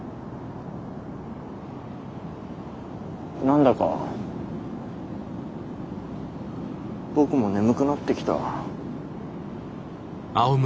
何だか僕も眠くなってきた。